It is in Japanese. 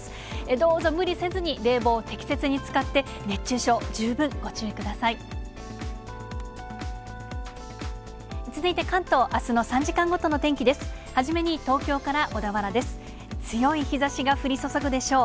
どうぞ無理せずに、冷房を適切に使って、熱中症、十分ご注意ください。